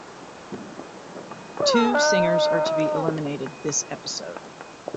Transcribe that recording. Two singers are to be eliminated this episode.